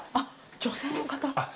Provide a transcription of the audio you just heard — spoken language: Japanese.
女性の方。